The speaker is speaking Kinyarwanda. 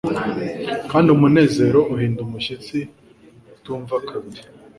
Kandi umunezero uhinda umushyitsi utumva kabiri